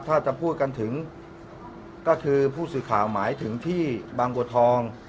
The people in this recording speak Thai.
ถ้าจะพูดกันถึงก็คือผู้สื่อข่าวหมายถึงที่บางบัวทอง